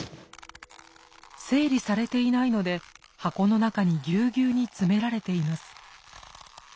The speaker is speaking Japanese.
整理されていないので箱の中にギューギューに詰められています。